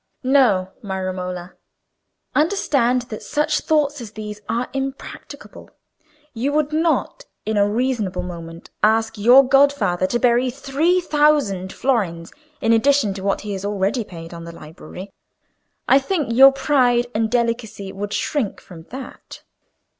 "No, my Romola. Understand that such thoughts as these are impracticable. You would not, in a reasonable moment, ask your godfather to bury three thousand florins in addition to what he has already paid on the library. I think your pride and delicacy would shrink from that."